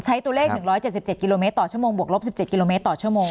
ตัวเลข๑๗๗กิโลเมตรต่อชั่วโมงบวกลบ๑๗กิโลเมตรต่อชั่วโมง